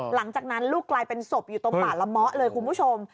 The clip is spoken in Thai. หลังจากนั้นลูกกลายเป็นศพอยู่ตรงป่าละเมาะเลยคุณผู้ชม